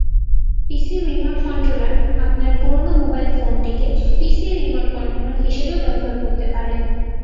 পিসির রিমোট কন্ট্রোলারআপনার পুরোনো মোবাইল ফোনটিকে পিসির রিমোট কন্ট্রোলার হিসেবেও ব্যবহার করতে পারেন।